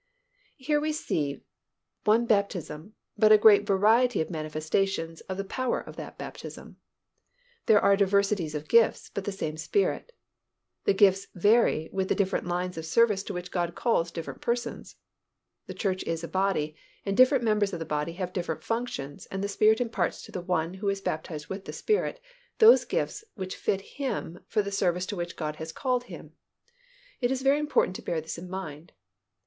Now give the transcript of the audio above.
Here we see one baptism but a great variety of manifestations of the power of that baptism. There are diversities of gifts, but the same Spirit. The gifts vary with the different lines of service to which God calls different persons. The church is a body, and different members of the body have different functions and the Spirit imparts to the one who is baptized with the Spirit those gifts which fit him for the service to which God has called him. It is very important to bear this in mind.